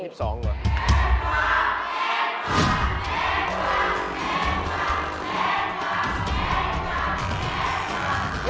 ๒๒บาทหรอ